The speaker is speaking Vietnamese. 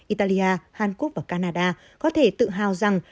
italia hàn quốc và canada có thể tự hào rằng